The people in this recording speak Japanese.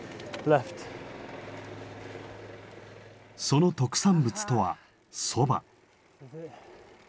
その特産物とはそば。